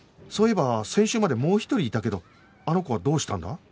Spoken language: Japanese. そういえば先週までもう一人いたけどあの子はどうしたんだ？